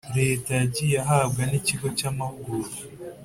Leta yagiye ahabwa n ikigo cy amahugurwa